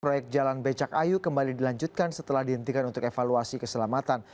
proyek jalan becak ayu kembali dilanjutkan setelah dihentikan untuk evaluasi keselamatan